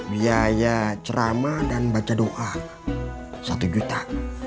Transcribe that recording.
biaya ceramah dan baca doa satu juta